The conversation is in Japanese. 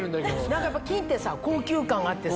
何かやっぱ金ってさ高級感があってさ。